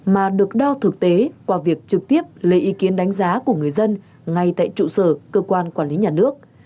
mà được đo thực tế qua việc trực tiếp lấy ý kiến đánh giá của người dân ngay tại trụ sở cơ quan quản lý nhà nước